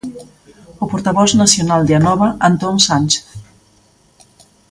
O portavoz nacional de Anova Antón Sánchez.